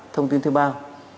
thông tin thư bao